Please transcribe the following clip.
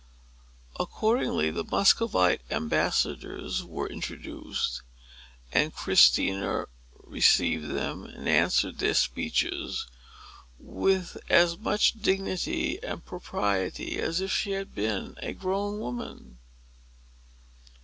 Accordingly, the Muscovite ambassadors were introduced; and Christina received them, and answered their speeches, with as much dignity and propriety as if she had been a grown woman.